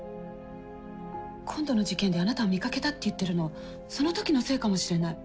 今度の事件であなたを見かけたって言ってるのその時のせいかもしれない。